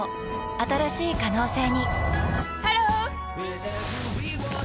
新しい可能性にハロー！